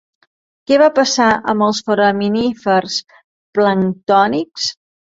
Què va passar amb els foraminífers planctònics?